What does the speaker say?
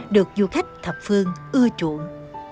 được du khách thập phương ưa chuộng